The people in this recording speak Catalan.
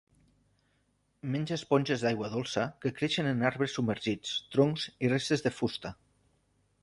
Menja esponges d'aigua dolça que creixen en arbres submergits, troncs i restes de fusta.